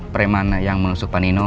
perman yang menusuk panino